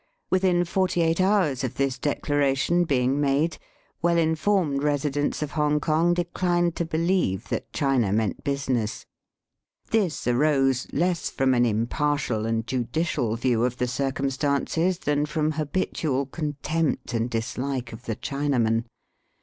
Within forty eight hours of this declaration being made, well informed residents of Hong kong declined to believe that China meant business. This arose less from an impartial Digitized by VjOOQIC 116 EAST BY WEST. and judicial view of the circumstances than from habitual contempt and dishke of the Chinaman.